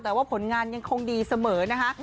แต่ว่าผลงานยังคงดีเสมอนะคะ